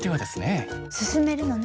進めるのね。